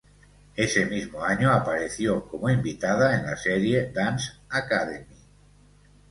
Ese mismo año apareció como invitada en la serie "Dance Academy".